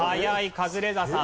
カズレーザーさん。